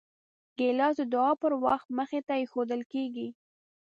ګیلاس د دعاو پر وخت مخې ته ایښودل کېږي.